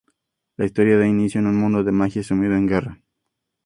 La historia da inicio en un mundo de magia sumido en guerra.